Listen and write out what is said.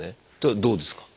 どうですか？